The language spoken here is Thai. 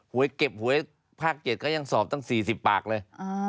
เก็บหวยภาค๗ก็ยังสอบตั้ง๔๐ปากเลย